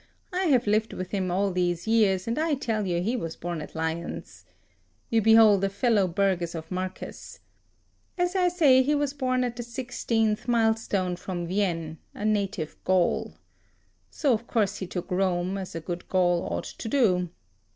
I have lived with him all these years, and I tell you, he was born at Lyons. You behold a fellow burgess of Marcus. [Footnote: Reference unknown.] As I say, he was born at the sixteenth milestone from Vienne, a native Gaul. So of course he took Rome, as a good Gaul ought to do.